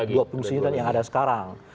dua fungsi yang ada sekarang